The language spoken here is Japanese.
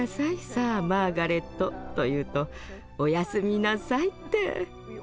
さあマーガレット」と言うと「おやすみなさい」って。